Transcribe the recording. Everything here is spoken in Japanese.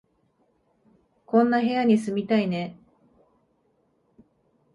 こんな部屋に住みたいね